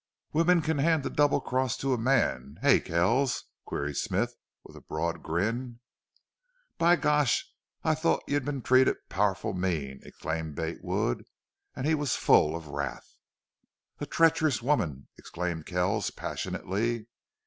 "Wimmen can hand the double cross to a man, hey, Kells?" queried Smith, with a broad grin. "By gosh! I thought you'd been treated powerful mean!" exclaimed Bate Wood, and he was full of wrath. "A treacherous woman!" exclaimed Kells, passionately.